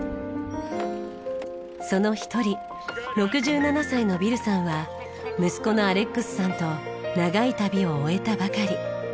その一人６７歳のビルさんは息子のアレックスさんと長い旅を終えたばかり。